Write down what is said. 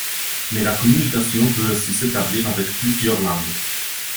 Mais la communication peut aussi s'établir avec plusieurs langues.